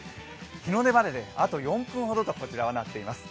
日の出まであと４分ほどとこちらはなっています。